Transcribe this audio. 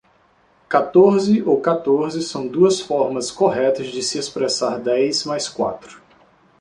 Catorze ou quatorze são duas formas corretas de se expressar dez mais quatro